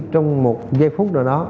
trong một giây phút nào đó